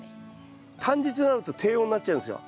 短日になると低温になっちゃうんですよ。